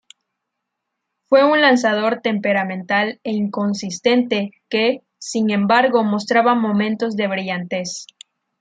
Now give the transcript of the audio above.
Fue un lanzador temperamental e inconsistente que, sin embargo mostraba momentos de brillantez.